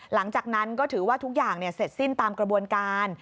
หลังจากนั้นก็ถือว่าทุกอย่างเสร็จสิ้นตามกระบวนการ